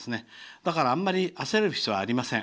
だから、あまり焦る必要はありません。